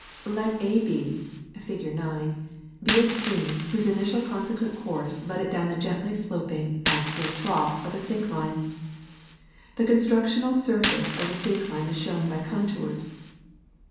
Let AB, fig. 9, be a stream whose initial consequent course led it down the gently sloping axial trough of a syncline. The con structional surface of the syncline is shown by contours.